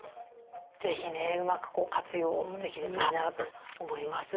是非ねうまく活用できるといいなと思います。